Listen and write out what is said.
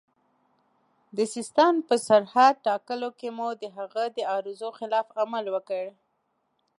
د سیستان په سرحد ټاکلو کې مو د هغه د ارزو خلاف عمل وکړ.